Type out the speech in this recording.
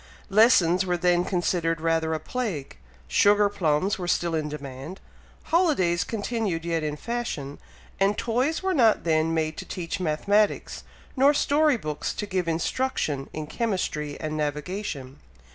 Lessons were then considered rather a plague, sugar plums were still in demand holidays continued yet in fashion and toys were not then made to teach mathematics, nor story books to give instruction in chemistry and navigation.